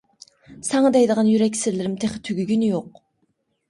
ساڭا دەيدىغان يۈرەك سىرلىرىم تېخى تۈگىگىنى يوق.